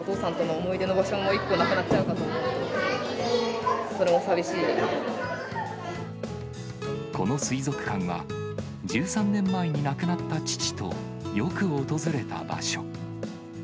お父さんとの思い出の場所も１個なくなっちゃうかと思うと、この水族館は、１３年前に亡くなった父と、よく訪れた場所。